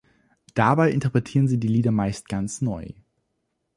Dabei interpretieren sie die Lieder meist ganz neu.